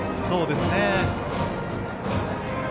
そうですね。